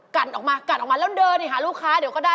ออกมากัดออกมาแล้วเดินหาลูกค้าเดี๋ยวก็ได้